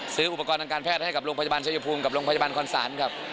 ซื้ออุปกรณ์ทางการแพทย์ให้กับโรงพยาบาลชายภูมิกับโรงพยาบาลคอนศาลครับ